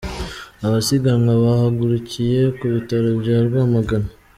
Abasiganwa bahagurukiye ku Bitaro bya Rwamagana.